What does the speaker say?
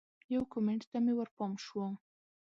یو کمنټ ته مې ورپام شو